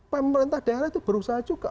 pemerintah daerah itu berusaha juga